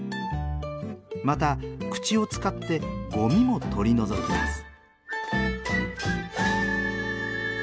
また口を使ってゴミも取り除きます。